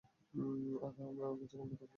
এবং আরও কিছু বাঙ্কার দখল করার পর।